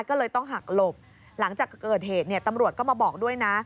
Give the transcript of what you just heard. ก็เลยต้องหักหลบหลังจากเกิดเหตุเนี่ยตำรวจก็มาบอกด้วยนะ